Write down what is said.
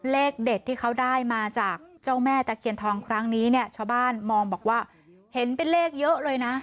เลขเด็ดที่เขาได้มาจากเจ้าแม่ตะเคียนทองครั้งนี้เนี่ยชาวบ้านมองบอกว่าเห็นเป็นเลขเยอะเลยนะ